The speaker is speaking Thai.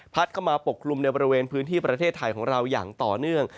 เข้ามาปกคลุมในบริเวณพื้นที่ประเทศไทยของเราอย่างต่อเนื่อง